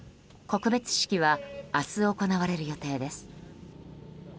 告別式は明日行われる予定です。